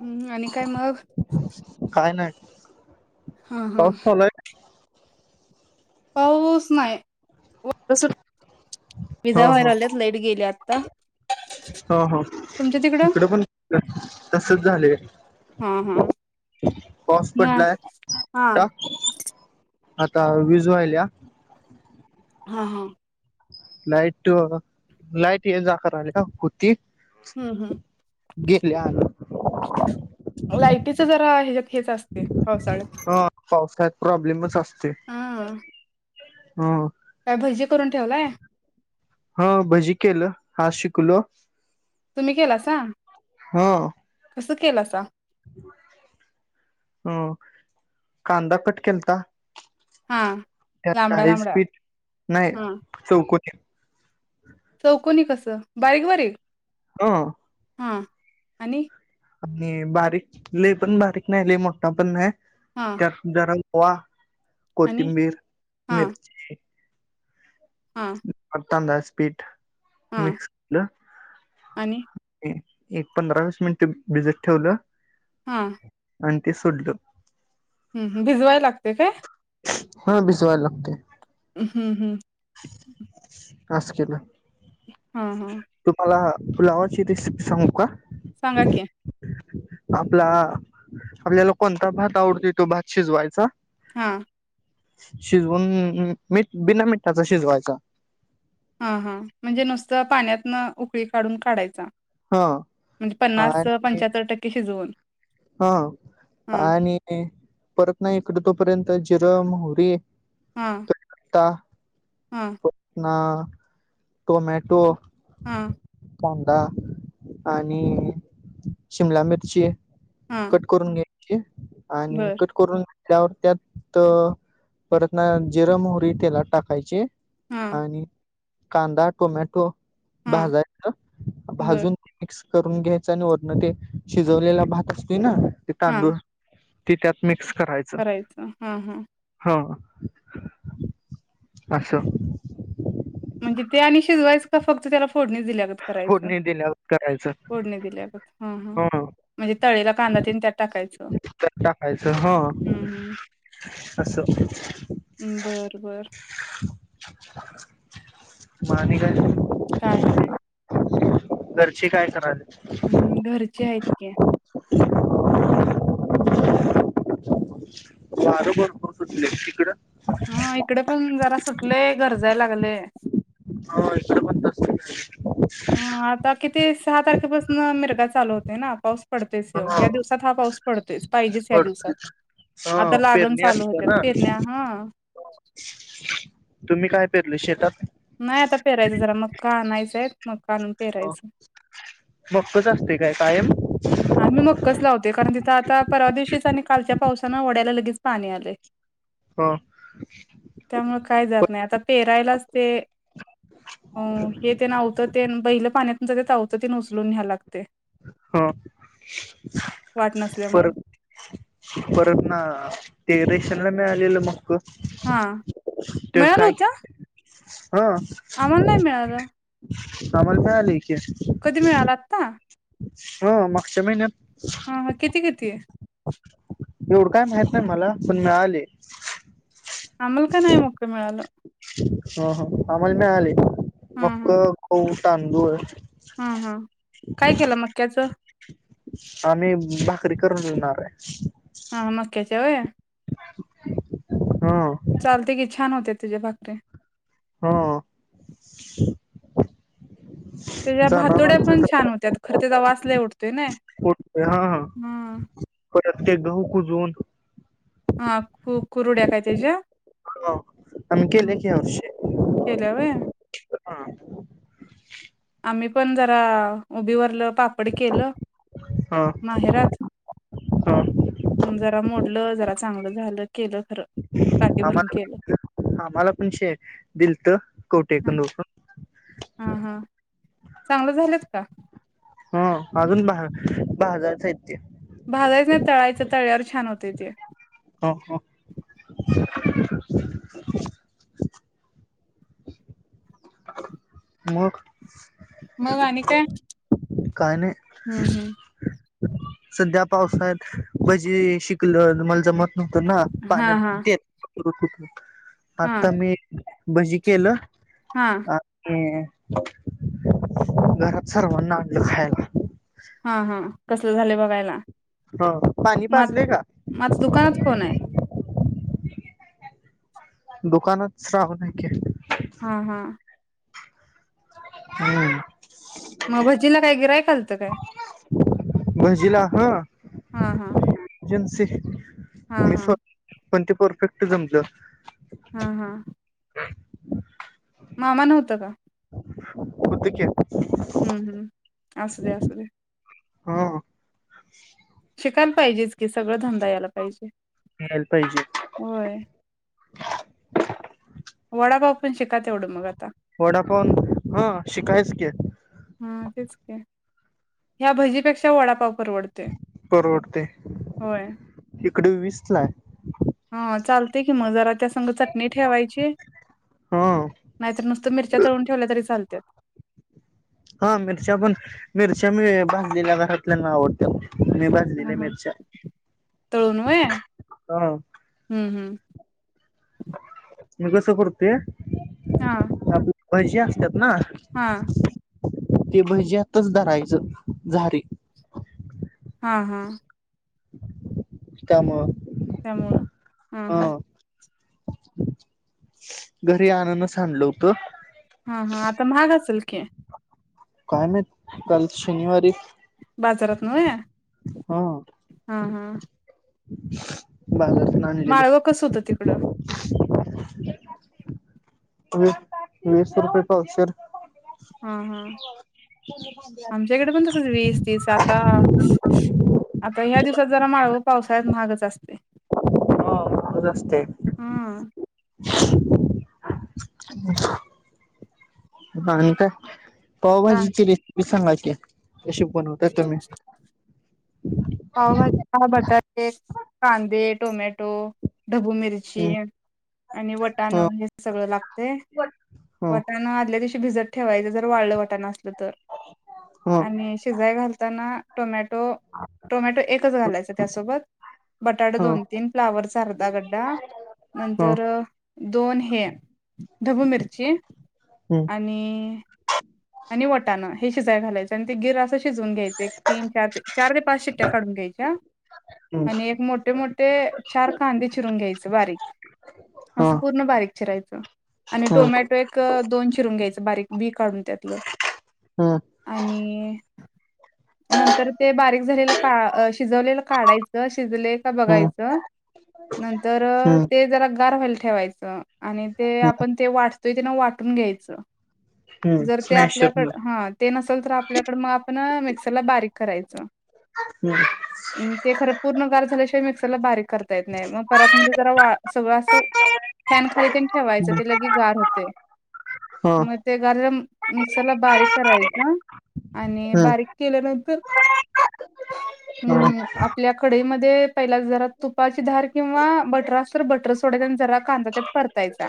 हम्म आणि काय मग? काय नाही हा हा. पाऊस चालूय पाऊस नाय. [inaudible] हो हो, हो हो. तुमच्या तिकडं इकडंपण [inaudible] तसच झालंय, हा हा पाऊस हा पडलाय. हा का? आता वीज व्हायला. हा हा. लाईट लाईट ये जा करायल्या, हुती. हं हं. गेली आलो लायटीचं जरा हेच हेच असतंय, पावसाळ्यात. प्रॉब्लेमचत अस ते. हो त्या भजे हा भजी केलं. हा शिकलो तुम्ही केला सां हो असं केलासा हम्म कांदा कट केलता. हा त्यात लांबडा डाळीचे लांबडा पीठ नाही चौकन [inaudible] चौकनी कसं बारीक बारीक अ हां आणि आणि बारीक लई पण बारीक नाही. लई मोठा पण नाही. हा त्यात जरा वा आणि कोथिंबीर, हा मिरची हा तांदळाचे पीठ हा मिक्स केलं आणि एक पंधरा वीस मिनिट भिजत ठेवलं. हा आणि ते सोडलं. हम्म भिजवाय लागते काय हा भिजवावे लगते. हम्म हम्म [inaudible] अस केलं. [inaudible] तुम्हाला पुुलावाची रेसिपी सांगु का? सांगा कि आपला आपल्याला कोणता भात आवडतो तो भात शिजवायचा हा शिजवून मीठ बिना मिठाचा शिजवायचा हा हा म्हणजे नुसतं, पाण्यातन उकळी काढून काढायचा. हा म्हणजे पन्नास पंच्याहत्तर टक्के शिजवून. ह हा आणि परत ना इकड तोपर्यंत जिर, मोहरी हा कढीपत्ता हा टोमॅटो- हा. कांदा आणि शिमला मिरचीय- हा कट करून घे- ची. आणि बर कट करून- त्यावर त्यात- परत ना जिर मोहरी तेलात टाकायची हा - आणि- कांदा टोमॅटो- हा भाजायच. बर भाजून ते मिक्स - करून घ्यायच आणि वरन ते शिजवलेला भात असं - ते ना? ते हा तांदुळ- ते त्यात मिक्स- करायचं. हा हा ह- अस. म्हणजे ते आणि शिजवायच का फक्त त्याला फोडणी दिल्या गत- करायच फोडणी दिल्यावर करायचं फोडणी दिल्या गत ह, ह म्हणजे तळेला कांदा न ते त्यात टाकायच. [unintelligible] ह. अस. हम्म बरं बरं म आणि काय? काय नाय. घरची काय करायले? हम्म -घरचे आहेत. ओके. वार भरपूर सुटलय तिकडं- हा. इकडे पण जरा सुटलेय गर- जाय लागले. [unintelligible] हम आता किती? सहा तारखेपासून मिरगा चालू होतोय ना? पाऊस- पडत्योच हो ह ह्या दिवसात हा पाऊस- पडतोय. पाहिजेच या थोडं दिवसात. हा आता लागण पेरणी चालू असते होत्यात ना पेरण्या हा. [unintelligible] तुम्ही काय पेरलं शेतात? नाही आता पेरायचं जरा मग का आणायचंय आहेत. हो बघतच असते काय? सा [unintelligible] आम्ही मग कस लावतो. दि आता परदवशीच. कालच्या पावसान वड्याला लगेच पाणी आले. ह त्यामुळे काय जात नाही, आता पेरायलाच ते अ हे ते नावतं ते बहिलं पाण्यातून जवत. उचलून घ्याला लागते. ह वाट नसल्यामुळं परत परत ना तेरे. च मे आलेल मक्. हा मिळाल होता. हा समल खयली. कधी मिळाला आता हा मागच्या महिन्यात. हा हा किती किती आहे? एवढं काय माहित नाही मला पण मिळाले. आमला का नाही मोक मिळालं? हो हो आम्हाला मिळाले मक्क खू तांबूळ. हम् हम काय केलं मक्याचं? आणि भाकरी करून येणार आहे. हा मकाच. तेवय. [unintelligible] चालते की छान होते. तुझ्या भाकररे हा त्याच्या भातोड्या पण छान होत्या. खर तेवास नाही उवतं उठ हा हा प्रत्येक गहू कुजून. हा कु कुरुड्या काय त्याच्या आ् हम्म केेले खी अससे केल्या व आम्ही पण जरा उभीवरलं पापड केलं. हा माहेरच हा जरा मोठ. जरा चांगलं झालं केलं खर. आम्हाला आम्हाला पण शे दिलत ह हा कोठेकूनकून हा चांगलं झालंत का. हा अजूनहा बाजार भालायच नाही तळायचं. तळ्यावर छान होते ते ह. मग मग माणी काय काय नाही हम्म हम्म. सध्या पावसा्यात भजी शिकलं मला ज मग ना हा पाण्यात हा देत. [inaudible] हा मता मी भजी केलं. हा [inaudible] घरात सर्वांना आण खायला. हा हा कसले झालं बघायला. हो पाणी म पाजले का? म आता दुकानात कोण आहे दुकानात राह नाही [unintelligible] हा हा. हम्म. मग भजीला काय गिराय. लत ग मंजला हा सिख. हा हा. पण ते परफेक्ट समज. हा हा मामा नव्हत का? कुतक हम्म हम्म असस दे अससु दे. हा. शिकायला पाहिजेच की सगळ धंदा यायला पाहिजे. याला पाहिजे. होय वडा पाव पण शिका तेवढ मग आता- - वडापाव हा शिकायच की. हा तेच की ह्या भजीपेक्षा वडापाव - - परवडतयं होय इकडं वीसला हाय. हा. चालतयं कि म जरा - - त्या संघ चटणी ठेवायची हा नाहीतर नुसत मिरच्या तळून ठेवल्या तरी चालत्यात. हा मिरच्या पण मिरच्या मी भाजलेल्या घरातल्यांना आवडत्यात. ह हा. तळुन व्हयं. हा हम्म हम्म. मी कस करतोय. हा. पैसे असत्यात - - ना. हा ते भज्यातच धरायचं झाारी. हा. हा. त्यामुळं- - त्यामुळं हं, हं. घरी आननस आणलं होत. हा हा आता महाग असेल की काय माहित काल शनिवारी - - बाजारात नव्हे. हा. हा. बाजारातन आणलेलं. माळवं कसं होतं तिकडं वीस वीस रुपये पावशेर हा, हा. आमच्या हिकडं पण तसच वीस तीस आता आता ह्या दिवसात जरा माळव पावसाळ्यात म्हागचं असतयं. हा. खज असतयं. हम्म [unintelligible] आणि काय? काय पावभाजीची रेसिपी सांगायची [unintelligible] कशी बनवता तुम्ही? पावभाजीला बटाटे, कांदे टोमॅटो ढबू मिरची हम्म आणि वटाणं हे सगळं लागतयं. हा वटाणं आदल्या दिवशी भिजत ठेवायचं जर वाळ वटाणं असलं तर हा आणि शेजाय घालत वटाणा टोमॅटो टोमॅटो एकच घालायच त्यासोबत बटाटा हा हा दोन तीन फ्लावरचा अर्धा गड्डा हा नंतर दोन हे ढबू मिरची हम्म आणि आणि वाटाण हे शिजाया घालायचं अनं ते गीर असं शिजून घ्यायच एक तीन चार चार ते पाच शिट्ट्या काढून घ्यायच्या हम्म आणि एक मोठे मोठे चार कांदे चिरून घ्यायच बारीक हा असं पूर्ण बारीक चिरायच आणि हा टोमॅटो एक दोन चिरून घ्यायच बारीक बी काढून हा हा आणि नंतर ते बारीक झालेलं का शिजवलेलं काढायचं शिजले का ते हम्म बघायचं नंतर हम्म ते जरा गार व्हायला ठेवायचं. आणि ते आपण ते वाटतोय ते ना वाटून घ्यायचं हम्म जर ते स्मॅशर आपल्याकड हम्म हा ते नसेल तर आपल्याकड मग आपण मी सरला बारीक करायच अन ते खरं पूर्ण गार झाल्याशिवाय मिक्सरला बारीक करता येत नाही मग परत मध्ये जरा वा सगळं असं फॅन खाली ते ठेवायचं ते लगे गार होते हा मग ते गार मिक्सर ला बारीक करायचं आणि हम्म बारीक केल्या नंतर हम्म आपल्या कडीमध्ये पहिला जरा तुपाची धार किंवा बटर असल बटर सोडायचा आणि जरा कांदा त्यात परतायचा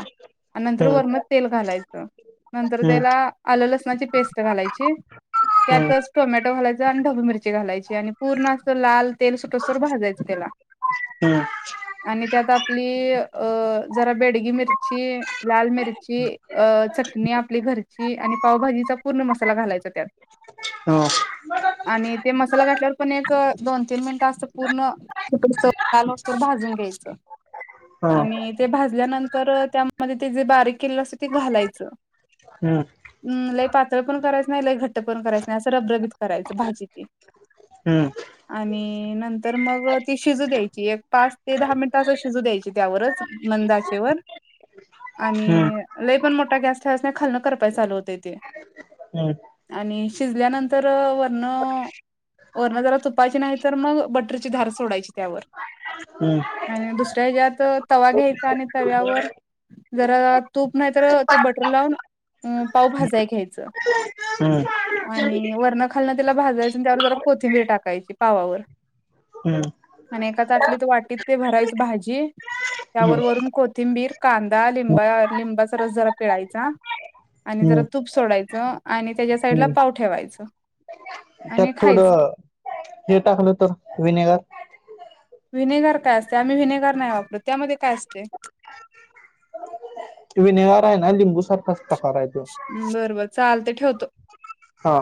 आणि नंतर हम्म वरन तेल घालायचं नंतर हम्म त्याला आलं लसणाची पेस्ट घालायची हम्म त्यातच टोमॅटो घालायचा आणि ढबू मिरची घालायची आणि पूर्ण अस लाल तेल सुटोस्तार भाजायचं त्याला हम्म आणि त्यात आपली अ जरा बेडगी मिरची लाल मिरची अ चटणी आपली घर ची आणि पावभाजीचा पूर्ण मसाला घालायचा त्यात हा आणि ते मसाला घातल्यावर पण एक दोन तीन मिनटं असत पूर्ण लाल होईतोवर भाजून घ्यायचं हा आणि ते भाजल्यानंतर त्यामध्ये ते जे बारीक केलेलं असत ते घालायचं हम्म लय पातळ पण करायचं नाही लय घट्ट पण करायचं नाही असं रबरबीत करायचं भाजीती हम्म आणि नंतर मग ती शिजू द्यायची एक पाच ते दहा मिनिट असं शिजू द्यायची त्यावरच मंदाचेवर हम्म आणि लय पण मोठा गॅस ठेवायच नाही खाल करपाय चालू होत ते हम्म आणि शिजल्यानंतर वरणं वरणं जरा तुपायचे नाही तर मग बटरची धार सोडायची त्यावर त्यात आणि दुसऱ्या ह्याच्यात तवा घ्यायचा आणि तव्यावर जरा तूप नाही तर ते बटर लावून अ पाव भाजाय घ्यायचं हम्म. आणि वरण खालणं त्याला भाजायचं आणि त्यावर जरा कोथिंबीर टाकायची पावावर आणि एका ताटलीत वाटीत ते भरायच भाजी त्यावर वरून कोथिंबीर कांदा लिंबा लिंबाचा रस जरा पिळायचा आणि जरा तूप सोडायचं आणि त्याच्या साईडला पाव ठेवायचं त्यात आणि खायचं. थोडं हे टाकलं तर विनेगर विनेगर काय असते आम्ही विनेगर नाही वापरत त्यामध्ये काय असते? विनेगार आहे ना लिंबू सारखं अस हम्मं बरोबर चालत ठेवतो. हा.